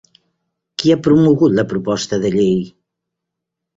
Qui ha promogut la proposta de llei?